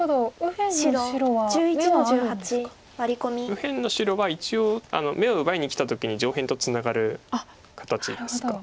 右辺の白は一応眼を奪いにきた時に上辺とツナがる形ですか。